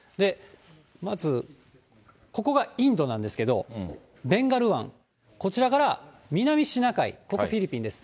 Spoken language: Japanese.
まずここがインドなんですけど、ベンガル湾、こちらから南シナ海、ここフィリピンです。